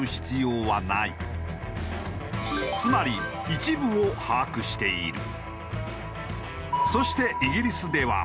つまり一部を把握している。